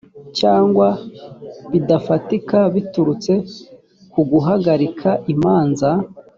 cyangwa bidafatika biturutse ku guhagarika imanza